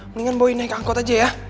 mendingan boy naik angkot aja ya